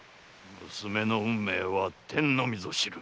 娘の運命は天のみぞ知る。